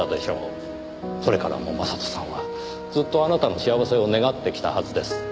それからも将人さんはずっとあなたの幸せを願ってきたはずです。